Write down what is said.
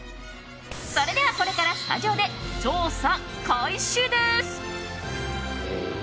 それでは、これからスタジオで調査開始です！